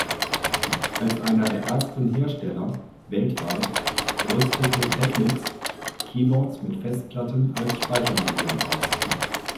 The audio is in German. Als einer der ersten Hersteller weltweit rüstete Technics Keyboards mit Festplatten als Speichermedium aus.